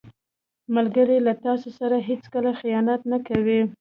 ملګری له تا سره هیڅکله خیانت نه کوي